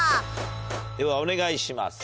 ではお願いします。